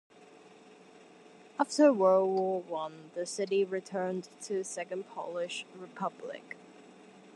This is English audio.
After World War One, the city returned to Second Polish Republic.